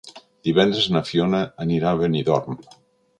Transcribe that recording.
Divendres na Fiona anirà a Benidorm.